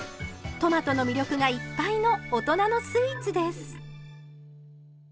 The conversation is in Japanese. トマトの魅力がいっぱいの大人のスイーツです。